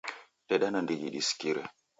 Deda nandighi disikire